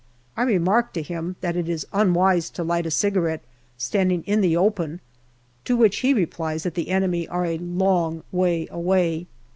I remark to him that it is unwise to light a cigarette standing in the open, to which he replies that the enemy are a long way away.